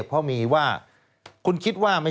สวัสดีค่ะต้อนรับคุณบุษฎี